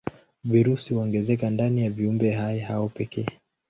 Virusi huongezeka ndani ya viumbehai hao pekee.